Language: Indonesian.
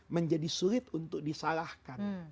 menjadi sulit untuk disalahkan